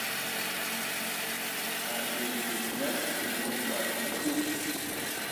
A itǝʼyakke no ɓa wune ?